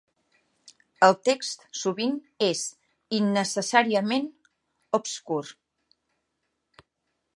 El text sovint és innecessàriament obscur.